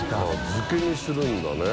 漬けにするんだね。